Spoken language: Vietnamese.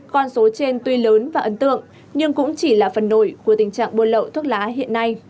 con số trên tuy lớn và ấn tượng nhưng cũng chỉ là phần nổi của tình trạng buôn lậu thuốc lá hiện nay